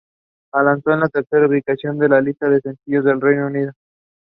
She had sailed from Puerto Cavallo and was bound for Cadiz.